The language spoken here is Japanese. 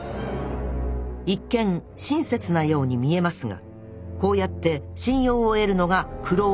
一見親切なように見えますがこうやって信用を得るのがクロオウチュウの作戦。